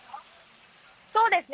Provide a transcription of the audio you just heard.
そうですね。